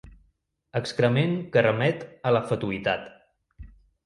Excrement que remet a la fatuïtat.